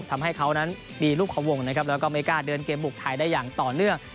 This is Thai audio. ทำให้เขานั้นมีลูกขวงนะครับแล้วก็ไม่กล้าเดินเกมบุกไทยได้อย่างต่อเนื่อง